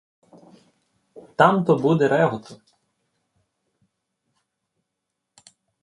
Там то буде реготу!